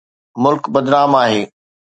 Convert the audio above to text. ملڪ بدنام آهي.